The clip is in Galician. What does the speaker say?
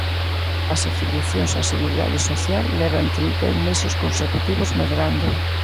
As afiliacións á Seguridade Social levan trinta e un meses consecutivos medrando.